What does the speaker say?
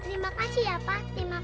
terima kasih ya pak